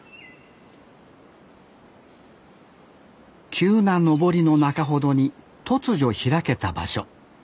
急な登りの中ほどに突如開けた場所。